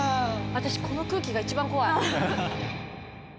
私この空気が一番怖い。